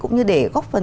cũng như để góp phần